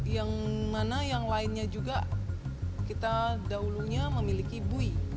yang mana yang lainnya juga kita dahulunya memiliki bui